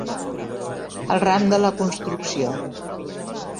El ram de la construcció.